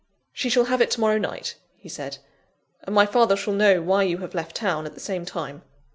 "She shall have it to morrow night," he said, "and my father shall know why you have left town, at the same time.